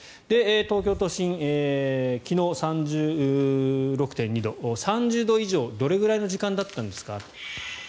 東京都心、昨日３６．２度３０度以上、どれくらいの時間だったんですか。